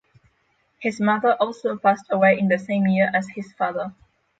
His mother also passed away in the same year as his father.